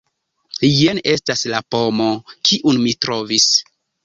Jen estas la pomo, kiun mi trovis.